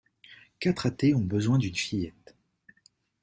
Quatre athées ont besoin d'une fillette.